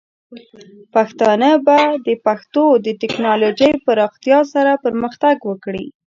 پښتانه به د پښتو د ټیکنالوجۍ پراختیا سره پرمختګ وکړي.